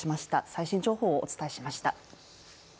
最新情報をお伝えしました。